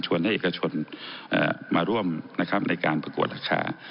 ชวนให้เอกชนมาร่วมในการประกวดราคา